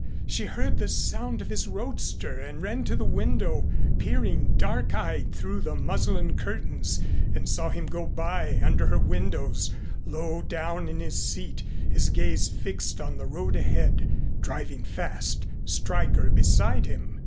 She heard the sound of his roadster and ran to the window, peering dark eyed through the muslin curtains, and saw him go by under her windows, low down in his seat, his gaze fixed on the road ahead, driving fast, Stryker beside him.